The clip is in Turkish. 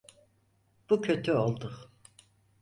Bu kötü oldu.